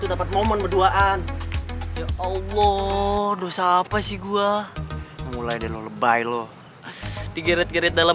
dapat momen berduaan ya allah dosa apa sih gue mulai dari lo lebay lo digeret geret dalam